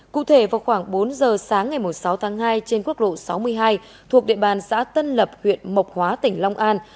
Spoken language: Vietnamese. cụ thể vào khoảng bốn giờ sáng ngày sáu tháng hai trên quốc lộ sáu mươi hai thuộc địa bàn xã tân lập huyện mộc hóa tỉnh long an